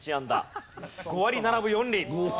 ５割７分４厘！